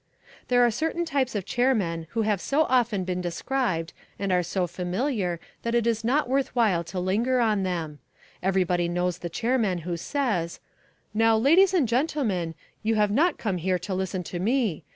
There are certain types of chairmen who have so often been described and are so familiar that it is not worth while to linger on them. Everybody knows the chairman who says; "Now, ladies and gentlemen, you have not come here to listen to me.